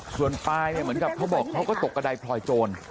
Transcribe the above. ส่วนปลายเนี่ยเหมือนกับเขาบอกเขาก็ตกกระดายพลอยโจร